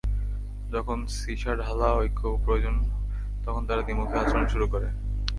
যখন সিসাঢালা ঐক্য প্রয়োজন তখন তারা দ্বিমুখী আচরণ শুরু করে।